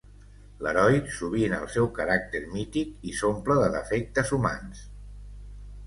L'heroi sovint el seu caràcter mític i s'omple de defectes humans.